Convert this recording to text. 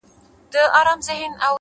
تمرکز ګډوډي په چوپتیا بدلوي؛